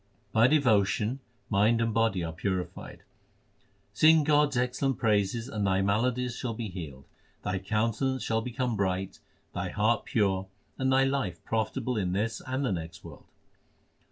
By devotion mind and body are purified : Sing God s excellent praises and thy maladies shall be healed. Thy countenance shall become bright, thy heart pure, and thy life profitable in this and the next world.